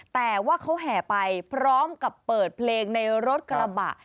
แต่ว่าเขาแห่ไปพร้อมกับเปิดเพลงในรถกระบะ